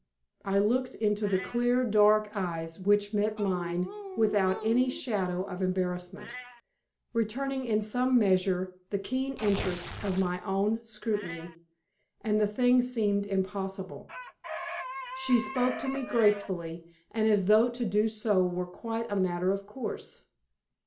I looked into the clear, dark eyes which met mine without any shadow of embarrassment returning in some measure the keen interest of my own scrutiny and the thing seemed impossible. She spoke to me graciously, and as though to do so were quite a matter of course.